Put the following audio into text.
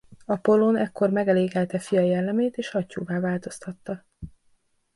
Apollón ekkor megelégelte fia jellemét és hattyúvá változtatta.